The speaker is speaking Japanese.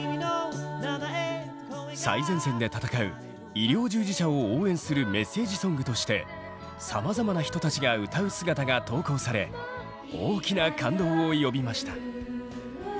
最前線で戦う医療従事者を応援するメッセージソングとしてさまざまな人たちが歌う姿が投稿され大きな感動を呼びました。